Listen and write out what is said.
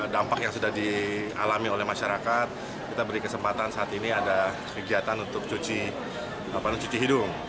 dampak yang sudah dialami oleh masyarakat kita beri kesempatan saat ini ada kegiatan untuk cuci hidung